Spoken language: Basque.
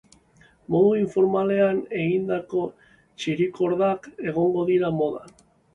Modu informalean egindako txirikordak egongo dira modan.